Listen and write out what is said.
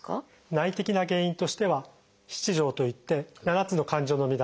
内的な原因としては「七情」といって７つの感情の乱れ。